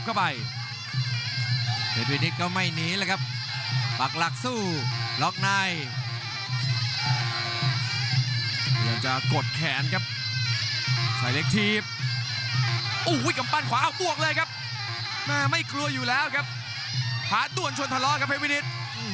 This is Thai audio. ไม่กลัวอยู่แล้วครับผ่านต้วนชนทะเลาะครับเฮ้ยวินิศ